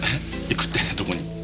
行くってどこに。